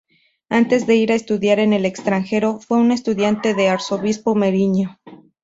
Antes de ir a estudiar en el extranjero, fue un estudiante del Arzobispo Meriño.